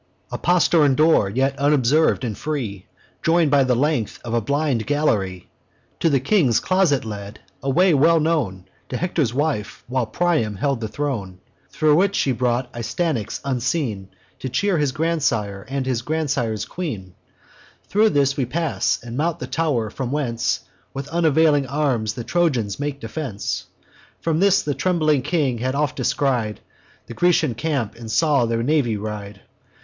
"A postern door, yet unobserv'd and free, Join'd by the length of a blind gallery, To the king's closet led: a way well known To Hector's wife, while Priam held the throne, Thro' which she brought Astyanax, unseen, To cheer his grandsire and his grandsire's queen. Thro' this we pass, and mount the tow'r, from whence With unavailing arms the Trojans make defence. From this the trembling king had oft descried The Grecian camp, and saw their navy ride.